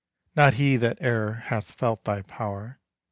Not he that e'er hath felt thy pow'r.